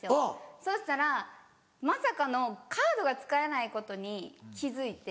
そしたらまさかのカードが使えないことに気付いて。